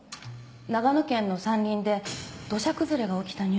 長野県の山林で土砂崩れが起きたニュースです。